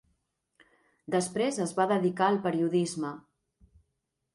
Després es va dedicar al periodisme.